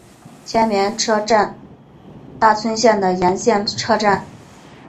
千绵车站大村线的沿线车站。